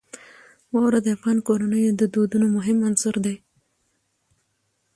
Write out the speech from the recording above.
واوره د افغان کورنیو د دودونو مهم عنصر دی.